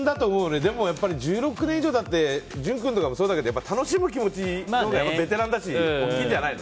でも１６年以上っていったって潤君とかもそうだけど楽しむ気持ち、ベテランだし大きいんじゃないの？